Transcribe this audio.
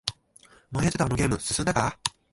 前やってたあのゲーム進んだか？